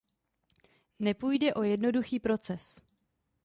Nepůjde o jednoduchý proces.